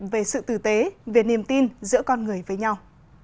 về sự tử tế về niềm tin giữa con người với nhau